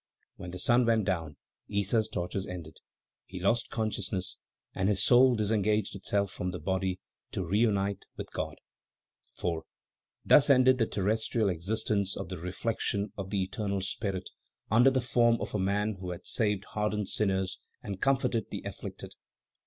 When the sun went down, Issa's tortures ended. He lost consciousness and his soul disengaged itself from the body, to reunite with God. 4. Thus ended the terrestrial existence of the reflection of the eternal Spirit under the form of a man who had saved hardened sinners and comforted the afflicted.